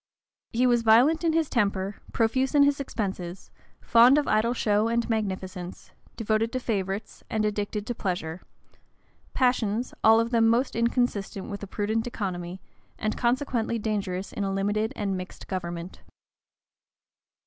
He was violent in his temper, profuse in his expenses, fond of idle show and magnificence, devoted to favorites, and addicted to pleasure; passions, all of them the most inconsistent with a prudent economy, and consequently dangerous in a limited and mixed government.